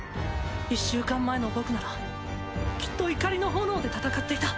１週間前の僕ならきっと怒りの炎で戦っていた。